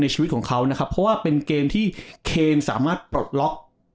ชีวิตของเขานะครับเพราะว่าเป็นเกมที่เคนสามารถปลดล็อก